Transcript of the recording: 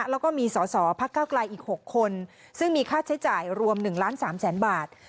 แล้วก็มีสอสอพักเก้าไกลอีก๖คนซึ่งมีค่าใช้จ่ายรวม๑ล้าน๓แสนบาท